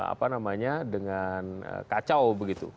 apa namanya dengan kacau